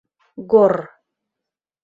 Гор...